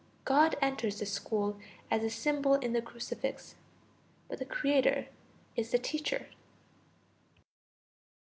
God enters the school as a symbol in the crucifix, but the creator is the teacher.